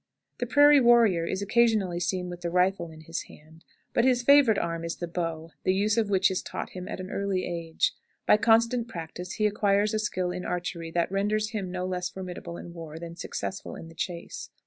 The prairie warrior is occasionally seen with the rifle in his hand, but his favorite arm is the bow, the use of which is taught him at an early age. By constant practice he acquires a skill in archery that renders him no less formidable in war than successful in the chase.